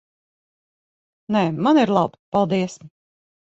Nē, man ir labi. Paldies.